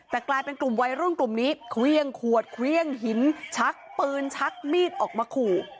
แต่กลายเป็นกลุ่มวัยรุ่นกลุ่มนี้เครื่องขวดเครื่องหินชักปืนชักมีดออกมาขู่